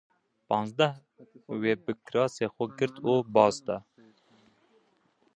Panzdeh wê bi kirasê xwe girt û baz de